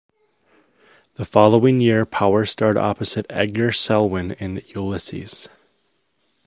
The following year Power starred opposite Edgar Selwyn in "Ulysses".